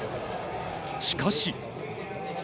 しかし。